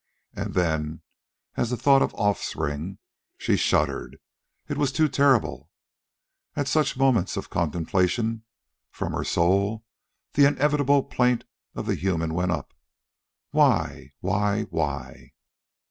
And then, at the thought of offspring, she shuddered. It was too terrible. And at such moments of contemplation, from her soul the inevitable plaint of the human went up: WHY? WHY? WHY?